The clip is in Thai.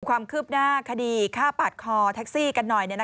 ความคืบหน้าคดีฆ่าปาดคอแท็กซี่กันหน่อย